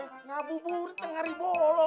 eh nabur burit tengah ribu lo